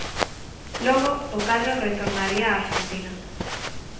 Logo, o cadro retornaría á Arxentina.